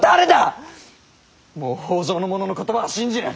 もう北条の者の言葉は信じぬ！